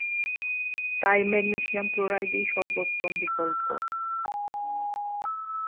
তাই ম্যাগনেসিয়াম ক্লোরাইড-ই সর্বোত্তম বিকল্প।